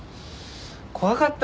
怖かった！